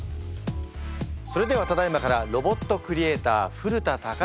それではただいまからロボットクリエーター古田貴之